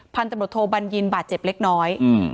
พันธุ์ตำรวจโทบัญญินบาดเจ็บเล็กน้อยอืม